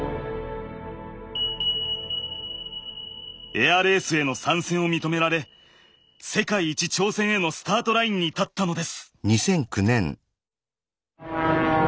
エアレースへの参戦を認められ世界一挑戦へのスタートラインに立ったのです。